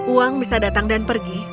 uang bisa datang dan pergi